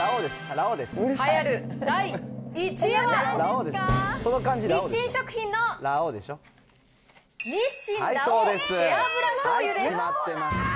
栄えある第１位は、日清食品の日清ラ王背脂醤油です。